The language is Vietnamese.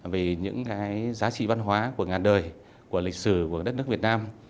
vì những giá trị văn hóa của ngàn đời của lịch sử của đất nước việt nam